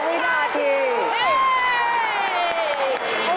วินาที